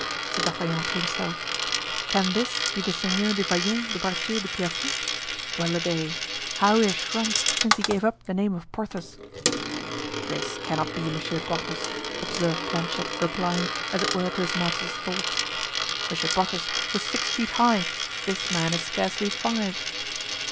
said D'Artagnan to himself, "can this be the Seigneur du Vallon de Bracieux de Pierrefonds? Well a day! how he has shrunk since he gave up the name of Porthos!" "This cannot be Monsieur Porthos," observed Planchet replying, as it were, to his master's thoughts. "Monsieur Porthos was six feet high; this man is scarcely five."